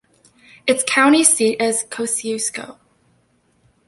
Its county seat is Kosciusko.